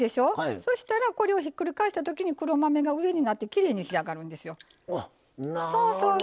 そしたら、これをひっくり返したときに黒豆が上になってきれいに仕上がるんですよ。